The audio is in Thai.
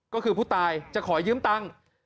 ก็คือผู้ตายจะขอยเยื้มปั้ง